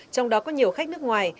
trong đó có nhiều khách nước ngoài